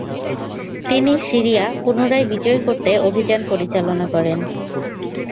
তিনি সিরিয়া পুনরায় বিজয় করতে অভিযান পরিচালনা করেন।